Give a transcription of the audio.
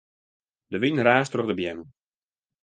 De wyn raast troch de beammen.